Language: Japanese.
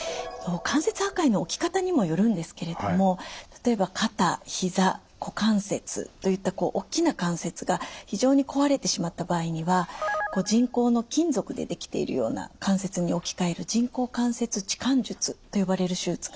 関節破壊の起き方にもよるんですけれども例えば肩・ひざ・股関節といったこう大きな関節が非常に壊れてしまった場合には人工の金属で出来ているような関節に置き換える人工関節置換術と呼ばれる手術が行われます。